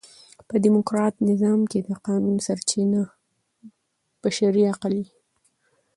په ډیموکراټ نظام کښي د قانون سرچینه بشري عقل يي.